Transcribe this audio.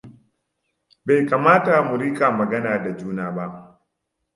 Bai kamata mu rika magana da juna ba.